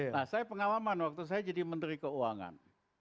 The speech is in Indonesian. nah saya pengalaman waktu saya jadi menteri keuangan